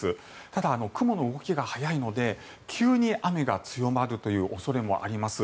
ただ、雲の動きが速いので急に雨が強まるという恐れもあります。